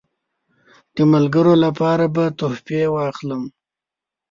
د ملګرو لپاره به تحفې واخلم.